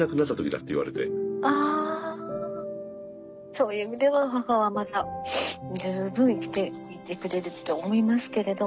そういう意味では母はまだ十分生きていてくれるって思いますけれども。